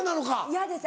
嫌です